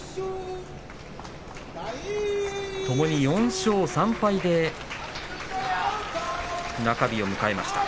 ともに４勝３敗で中日を迎えました。